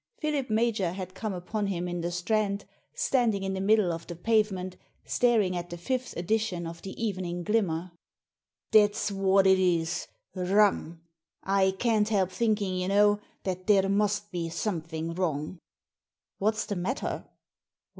Philip Major had come upon him in the Strand, standing in the middle of the pavement, staring at the fifth edition of the Evening Glimmer. "That's what it is — rum I I can't help thinking, you know, that there must be something wrong." "What's the matter?"